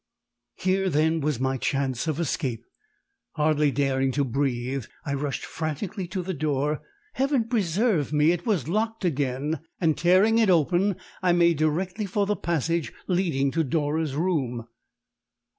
Here then was my chance of escape! Hardly daring to breathe, I rushed frantically to the door (Heaven preserve me! it was locked again!) and tearing it open, I made directly for the passage leading to Dora's room.